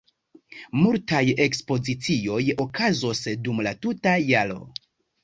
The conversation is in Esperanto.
Multaj ekspozicioj okazos dum la tuta jaro.